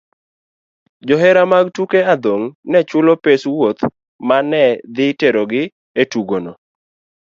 Johera mag tuke adhong' ne chulo pes wuoth ma ne dhi terogi e tugono.